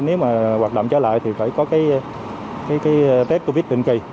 nếu mà hoạt động trở lại thì phải có cái tết covid định kỳ